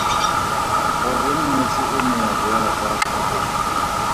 Goreng notshe e ne ya boela kwa phagong?